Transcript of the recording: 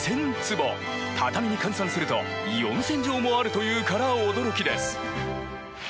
畳に換算すると４０００畳もあるというから驚きです。